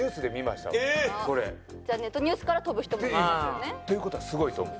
じゃあネットニュースから飛ぶ人もいますよね。という事はすごいと思う。